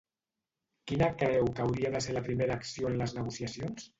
Quina creu que hauria de ser la primera acció en les negociacions?